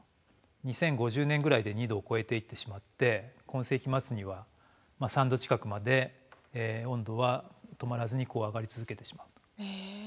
２０５０年ぐらいで２℃を超えていってしまって今世紀末には３℃近くまで温度は止まらずに上がり続けてしまうと。